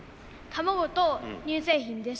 卵と乳製品です。